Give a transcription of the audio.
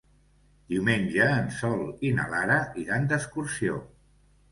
Diumenge en Sol i na Lara iran d'excursió.